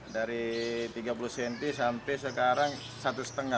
dari tiga puluh cm sampai sekarang satu lima